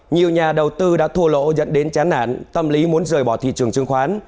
nhiều nhà đầu tư đã thua lỗ dẫn đến chán nản tâm lý muốn rời bỏ thị trường chứng khoán